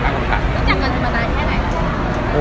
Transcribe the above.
จากกันตรูปันได้แค่ไหน